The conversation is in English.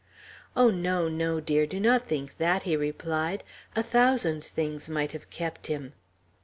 "Oh, no, no, dear! Do not think that!" he replied. "A thousand things might have kept him."